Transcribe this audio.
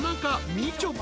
みちょぱ］